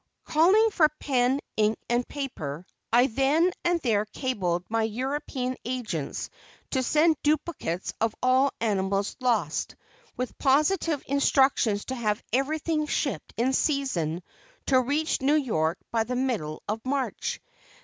Calling for pen, ink and paper, I then and there cabled my European agents to send duplicates of all animals lost, with positive instructions to have everything shipped in season to reach New York by the middle of March.